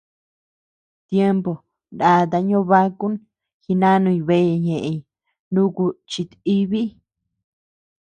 Tiempo ndataa ñobákun jinanuñ beeye ñéʼeñ nuku chit-íbi.